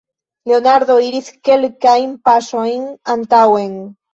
Leonardo iris kelkajn paŝojn antaŭen.